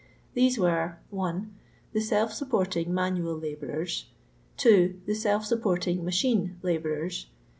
These were :— 1. The self supporting manual labourers. 2. The self supporting machine labourers.